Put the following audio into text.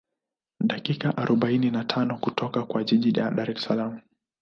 Dakika arobaini na tano kutoka kwa jiji la Dar es Salaam